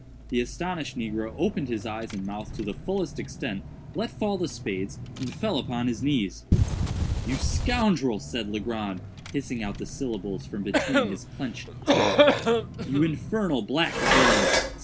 The astonished negro opened his eyes and mouth to the fullest extent, let fall the spades, and fell upon his knees. "You scoundrel," said Legrand, hissing out the syllables from between his clenched teeth—"you infernal black villain!